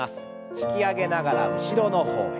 引き上げながら後ろの方へ。